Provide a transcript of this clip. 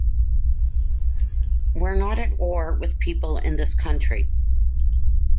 We're not at war with people in this country.